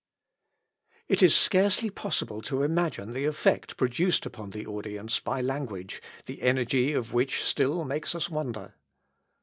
] It is scarcely possible to imagine the effect produced upon the audience by language, the energy of which still makes us wonder.